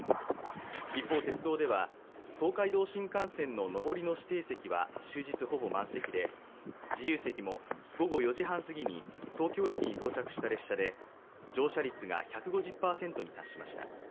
一方、鉄道では、東海道新幹線の上りの指定席は終日ほぼ満席で、自由席も午後４時半すぎに東京駅に到着した列車で乗車率が１５０％に達しました。